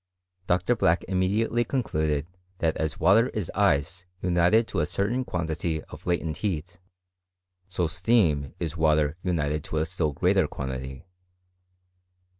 Dr. Black immediately concluded that as water is ice united to a certain quantity of latent heatf so steam is water united to a still greater quan tity.